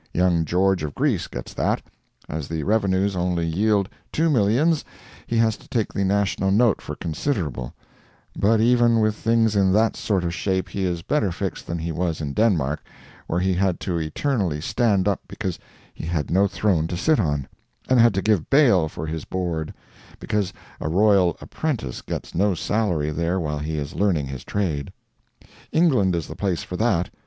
Young George of Greece gets that. As the revenues only yield two millions, he has to take the national note for considerable; but even with things in that sort of shape he is better fixed than he was in Denmark, where he had to eternally stand up because he had no throne to sit on, and had to give bail for his board, because a royal apprentice gets no salary there while he is learning his trade. England is the place for that.